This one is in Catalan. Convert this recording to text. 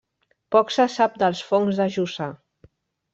Poc se sap dels fongs de Jussà.